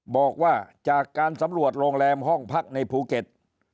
บอกว่าจากการสำรวจโรงแรมห้องพักในภูเก็ต